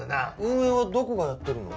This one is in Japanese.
運営はどこがやってるの？